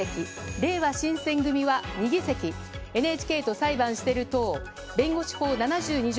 れいわ新選組は２議席、ＮＨＫと裁判してる党弁護士法７２条